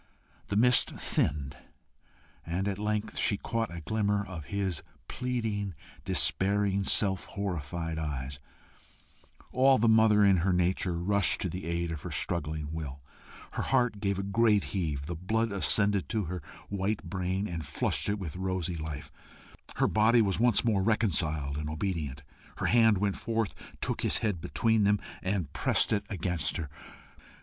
The mist thinned, and at length she caught a glimmer of his pleading, despairing, self horrified eyes: all the mother in her nature rushed to the aid of her struggling will; her heart gave a great heave; the blood ascended to her white brain, and flushed it with rosy life; her body was once more reconciled and obedient; her hand went forth, took his head between them, and pressed it against her.